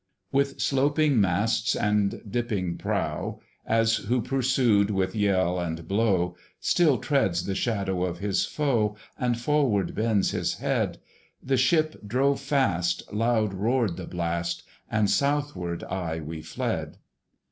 With sloping masts and dipping prow, As who pursued with yell and blow Still treads the shadow of his foe And forward bends his head, The ship drove fast, loud roared the blast, And southward aye we fled.